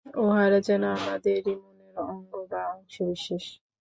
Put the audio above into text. উহারা যেন আমাদেরই মনের অঙ্গ বা অংশবিশেষ।